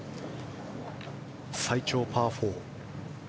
最長パー４。